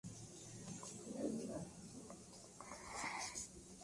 Esta película le pertenece a ustedes.